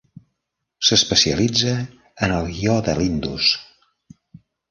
S'especialitza en el guió de l'Indus.